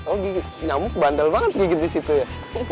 oh gigit nyamuk bandel banget gigit disitu ya